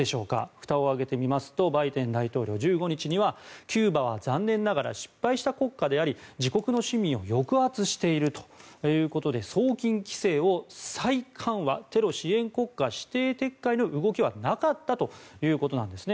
ふたを開けてみてみますとバイデン大統領、１５日にはキューバは残念ながら失敗した国家であり自国の市民を抑圧しているということで送金規制を再緩和テロ支援国家指定撤回の動きはなかったということなんですね。